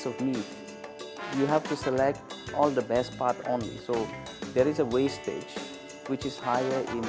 contohnya saat anda mengambil sebuah daging anda harus memilih bahan terbaik saja